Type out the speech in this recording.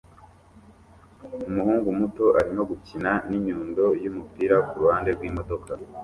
Umuhungu muto arimo gukina ninyundo ya numupira kuruhande rwimodoka